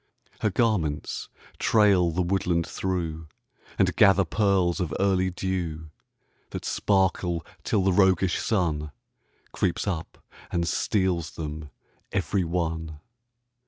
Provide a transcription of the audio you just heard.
Her garments trail the woodland through, And gather pearls of early dew That sparkle till the roguish Sun Creeps up and steals them every one.